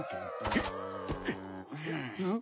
えっ？